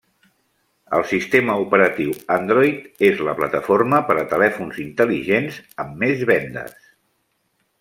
El sistema operatiu Android és la plataforma per a telèfons intel·ligents amb més vendes.